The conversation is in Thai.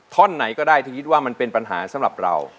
ท่อนไหนก็ได้ที่คิดว่ามันเป็นปัญหาสำหรับเรา